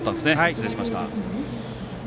失礼しました。